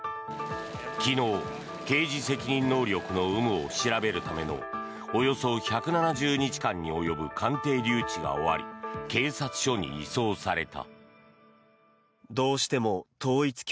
昨日、刑事責任能力の有無を調べるためのおよそ１７０日間に及ぶ鑑定留置が終わり警察署に移送された。